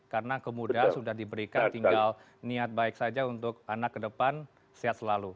karena kemudah sudah diberikan tinggal niat baik saja untuk anak ke depan sehat selalu